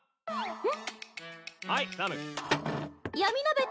うん。